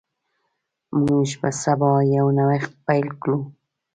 موږ به سبا یو نوښت پیل کړو.